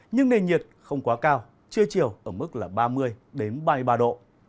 nhưng nền nhiệt không quá cao trưa chiều ở mức là ba mươi ba mươi ba độ